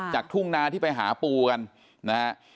จากทุ่งนาที่ไปหาปู่กันนะครับ